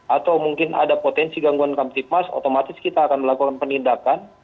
atau mungkin ada potensi gangguan kamtipmas otomatis kita akan melakukan penindakan